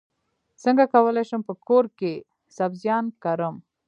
څنګه کولی شم په کور کې سبزیان کرم